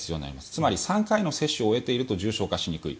つまり３回の接種を終えていると重症化しにくい。